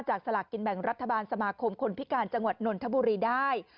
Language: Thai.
สลากกินแบ่งรัฐบาลสมาคมคนพิการจังหวัดนนทบุรีได้